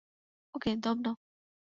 ওকে, দম নাও!